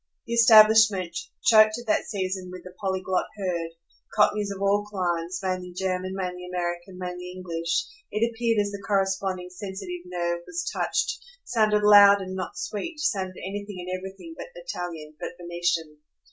The establishment, choked at that season with the polyglot herd, cockneys of all climes, mainly German, mainly American, mainly English, it appeared as the corresponding sensitive nerve was touched, sounded loud and not sweet, sounded anything and everything but Italian, but Venetian.